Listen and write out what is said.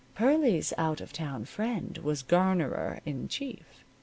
Pearlie's out of town friend was garnerer in chief.